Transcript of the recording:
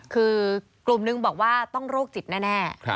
คือกลุ่มนึงบอกว่าต้องโรคจิตแน่